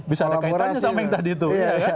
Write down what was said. bisa ada kaitannya sama yang tadi itu